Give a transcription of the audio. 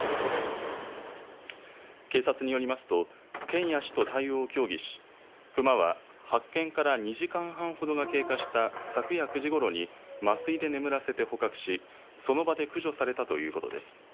警察によりますと県や市と対応を協議し熊は発見から２時間半ほどが経過した昨夜９時ごろに麻酔で眠らせて捕獲しその場で駆除されたということです。